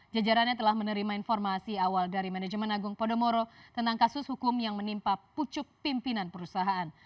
jajarannya telah menerima informasi awal dari manajemen agung podomoro tentang kasus hukum yang menimpa pucuk pimpinan perusahaan